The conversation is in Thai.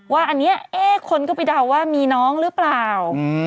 ว่าอันนี้คนก็ไปเดาว่ามีน้องหรือเปล่า